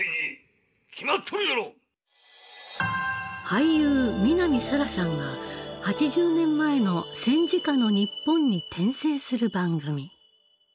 俳優南沙良さんが８０年前の戦時下の日本に転生する番組。